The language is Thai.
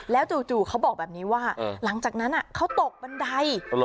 แล้วจู่เขาบอกแบบนี้ว่าหลังจากนั้นเขาตกบันได